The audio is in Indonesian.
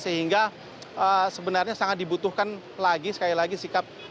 sehingga sebenarnya sangat dibutuhkan lagi sekali lagi sikap